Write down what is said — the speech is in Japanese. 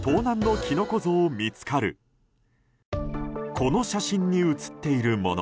この写真に写っているもの